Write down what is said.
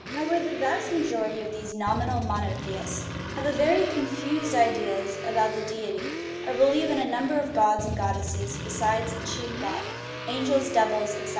However, the vast majority of these nominal monotheists have very confused ideas about the deity, or believe in a number of gods and god desses besides the chief god angels, devils, etc.